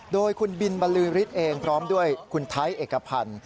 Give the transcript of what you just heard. โดยคุณบินบรรลือฤทธิ์เองพร้อมด้วยคุณไทยเอกพันธ์